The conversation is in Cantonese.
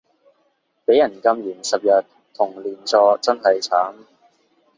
畀人禁言十日同連坐真係慘